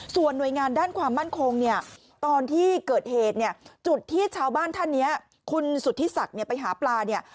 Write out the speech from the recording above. ส่วนหน่วยงานด้านความมั่นคงเนี่ยตอนที่เกิดเหตุเนี่ยจุดที่ชาวบ้านท่านนี้คุณสุธิศักดิ์เนี่ยไปหาปลาเนี่ย